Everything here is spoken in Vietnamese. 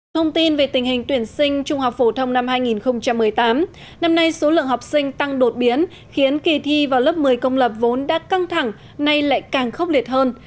thông tin về tình hình tuyển sinh trung học phổ thông năm hai nghìn một mươi tám năm nay số lượng học sinh tăng đột biến khiến kỳ thi vào lớp một mươi công lập vốn đã căng thẳng nay lại càng khốc liệt hơn